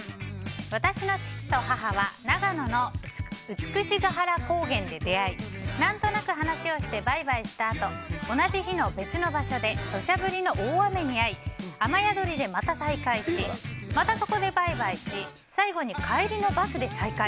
私の父と母は長野の美ヶ原高原で出会い何となく話をしてバイバイしたあと同じ日の別の場所で土砂降りの大雨に遭い雨宿りでまた再会しまたそこでバイバイし最後に帰りのバスで再会。